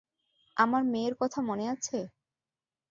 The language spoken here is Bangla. আমার মেয়ের কথা মনে আছে?